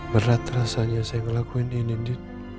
berat rasanya saya melakuin ini